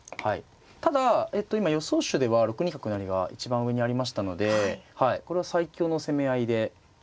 ただ今予想手では６二角成が一番上にありましたのでこれは最強の攻め合いで。